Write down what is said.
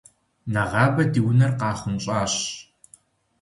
Нэгъабэ ди унэр къахъунщӏащ.